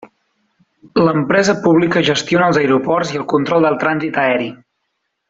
L'empresa pública gestiona els aeroports i el control del trànsit aeri.